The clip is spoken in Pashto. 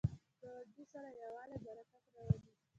ګاونډي سره یووالی، برکت راولي